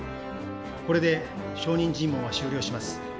これで証人尋問は終了します